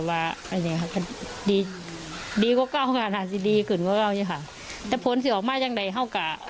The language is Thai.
น่าจะดีขึ้นเกินเกินแค่ค่ะแต่ผลสิ่งออกมาที่ยังได้แห่งกา